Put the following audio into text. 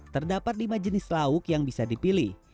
terdapat lima jenis lauk yang bisa dipilih